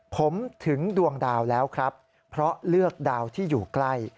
ผมถึงดวงดาวแล้วครับเพราะเลือกดาวที่อยู่ใกล้